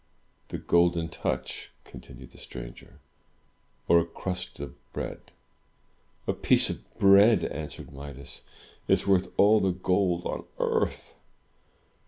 "The Golden Touch," continued the stranger, "or a crust of bread?" "A piece of bread," answered Midas, "is worth all the gold on earth!"